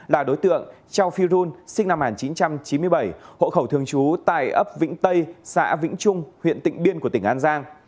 là đối tượng châu phi run sinh năm một nghìn chín trăm chín mươi bảy hộ khẩu thường trú tại ấp vĩnh tây xã vĩnh trung huyện tịnh biên của tỉnh an giang